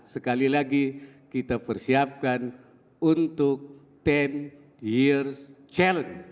sekali lagi kita persiapkan untuk sepuluh years challenge